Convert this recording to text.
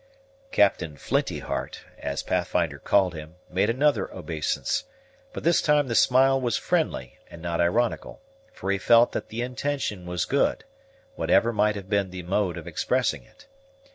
Captain Flinty heart, as Pathfinder called him, made another obeisance; but this time the smile was friendly, and not ironical; for he felt that the intention was good, whatever might have been the mode of expressing it.